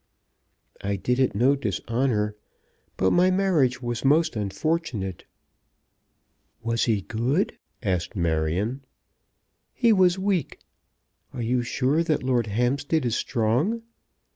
I did it no dishonour; but my marriage was most unfortunate." "Was he good?" asked Marion. "He was weak. Are you sure that Lord Hampstead is strong?